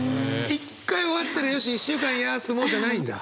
一回終わったらよし１週間休もうじゃないんだ？